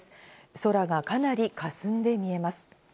空がかなりかすんで見えます。